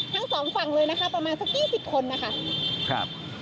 ทั้งสองฝั่งเลยนะคะประมาณสักยี่สิบคนนะคะครับ